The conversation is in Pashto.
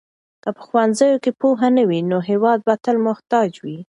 که په ښوونځیو کې پوهه نه وي نو هېواد به تل محتاج وي.